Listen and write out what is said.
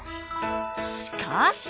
しかし！